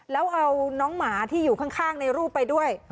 แล้วเอาน้องหมาที่อยู่ข้างในรูปไปด้วย